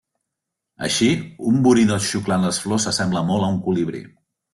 Així, un borinot xuclant les flors s'assembla molt a un colibrí.